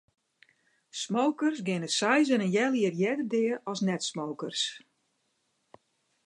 Smokers geane seis en in heal jier earder dea as net-smokers.